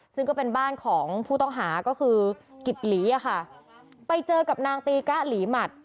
ซึ่งก็เป็นบ้านของผู้ต้องหาก็คือกิบหลีอ่ะค่ะไปเจอกับนางตีกะหลีหมัด